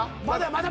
まだ？